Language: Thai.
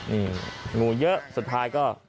นี่งูเยอะสุดท้ายก็